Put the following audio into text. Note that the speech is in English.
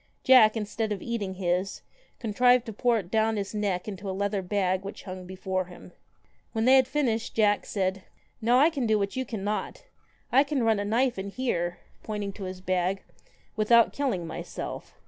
Jack, instead of eating his, contrived to pour it down his neck into a leather bag which hung before him. When they had finished, Jack said 'Now I can do what you cannot. I can run a knife in here,' pointing to his bag, ' without killing myself.'